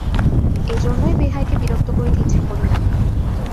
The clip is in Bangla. এজন্য বেহাইকে বিরক্ত করিতে ইচ্ছা করি না।